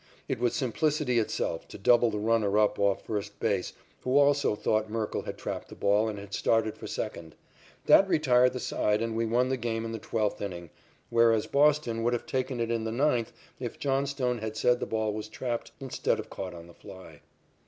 It was simplicity itself to double the runner up off first base who also thought Merkle had trapped the ball and had started for second. That retired the side, and we won the game in the twelfth inning, whereas Boston would have taken it in the ninth if Johnstone had said the ball was trapped instead of caught on the fly.